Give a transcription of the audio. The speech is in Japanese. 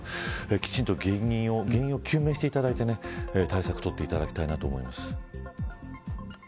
きちんと原因を究明していただいて対策を取っていただきたいと思います。